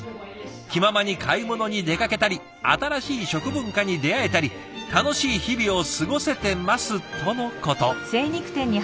気ままに買い物に出かけたり新しい食文化に出会えたり楽しい日々を過ごせてますとのこと。